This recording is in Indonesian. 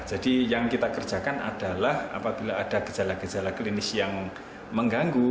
jadi yang kita kerjakan adalah apabila ada gejala gejala klinis yang mengganggu